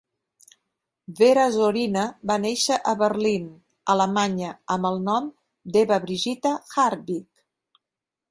Vera Zorina va néixer a Berlín, Alemanya, amb el nom d'Eva Brigitta Hartwig.